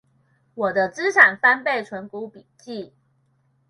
我的資產翻倍存股筆記